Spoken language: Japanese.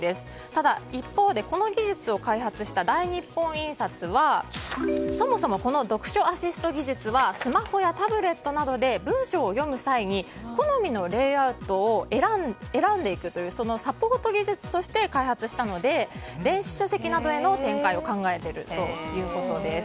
ただ一方で、この技術を開発した大日本印刷はそもそも読書アシスト技術はスマホやタブレットなどで文章を読む際に好みのレイアウトを選んでいくというサポート技術として開発したので電子書籍などの展開を考えているということです。